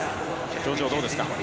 表情はどうですか？